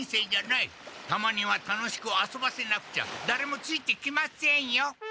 たまには楽しく遊ばせなくちゃだれもついてきませんよ。